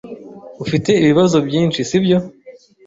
Ufite ibibazo byinshi, sibyo?